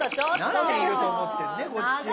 何年いると思ってんのこっちは。